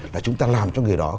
là chúng ta làm cho người đó